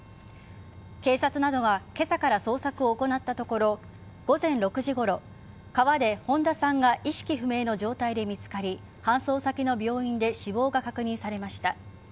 警察などが今朝から捜索を行ったところ午前６時ごろ川で、本田さんが意識不明の状態で見つかり搬送先の病院で死亡が確認されました。